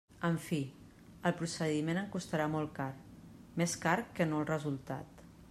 En fi, el procediment em costarà molt car, més car que no el resultat.